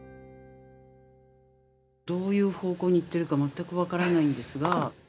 どういう方向に行ってるか全く分からないんですが。